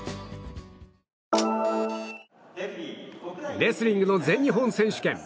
レスリングの全日本選手権。